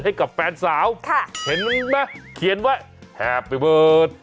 ให้กับแฟนสาวเห็นมั้ยเขียนว่าแฮปปี้เวิร์ด